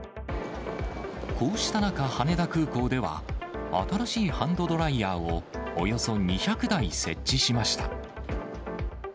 こうした中、羽田空港では、新しいハンドドライヤーをおよそ２００台設置しました。